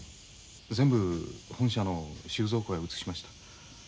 全部本社の収蔵庫へ移しました。